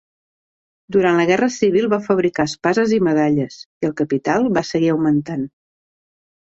Durant la Guerra Civil va fabricar espases i medalles, i el capital va seguir augmentant.